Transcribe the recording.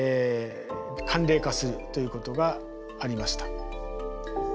寒冷化するということがありました。